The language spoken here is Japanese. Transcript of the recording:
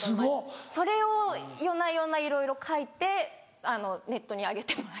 それを夜な夜ないろいろ書いてネットに上げてます。